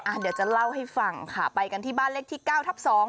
เดี๋ยวจะเล่าให้ฟังค่ะไปกันที่บ้านเลขที่เก้าทับสอง